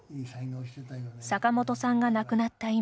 坂本さんが亡くなった今